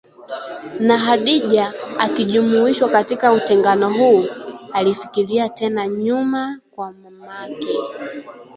Na Khadija, akijumuishwa katika utengano huu, alifikiria tena nyuma kwa mamake